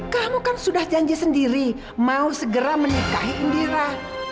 kamu kan sudah janji sendiri mau segera menikahi indira